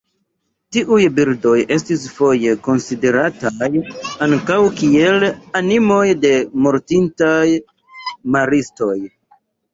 Tiuj birdoj estis foje konsiderataj ankaŭ kiel animoj de mortintaj maristoj.